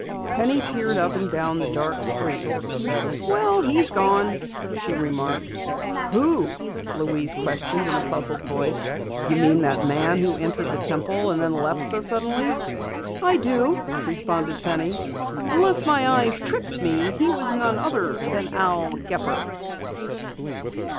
Penny peered up and down the dark street. "Well, he's gone," she remarked. "Who?" Louise questioned in a puzzled voice. "You mean that man who entered the Temple and then left so suddenly?" "I do," responded Penny. "Unless my eyes tricked me, he was none other than Al Gepper!"